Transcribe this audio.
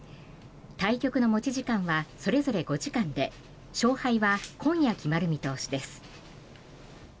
対局の持ち時間はそれぞれ５時間で勝敗は今夜決まる見通しです。